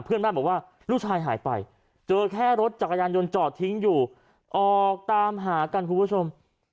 เพื่อนบ้านบอกว่าลูกชายหายไปเจอแค่รถจักรยานยนต์จอดทิ้งอยู่ออกตามหากันคุณผู้ชม